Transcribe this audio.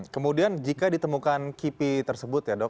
kemudian jika ditemukan kipi tersebut ya dok